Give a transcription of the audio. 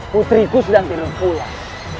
putriku sedang tidur pulang